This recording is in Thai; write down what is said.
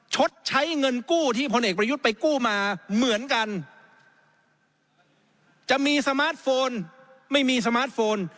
จะมีสมาร์ทโฟนไม่มีสมาร์ทโฟน